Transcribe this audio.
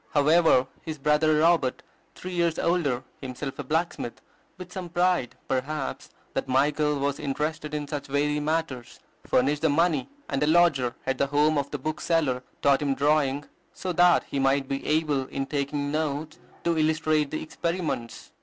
However, his brother Robert, three years older, himself a blacksmith, with some pride, perhaps, that Michael was interested in such weighty matters, furnished the money, and a lodger at the home of the bookseller taught him drawing, so that he might be able, in taking notes, to illustrate the experiments.